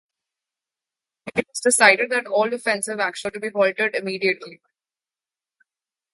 It was decided that all offensive actions were to be halted immediately.